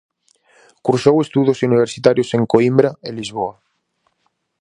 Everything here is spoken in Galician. Cursou estudos universitarios en Coimbra e Lisboa.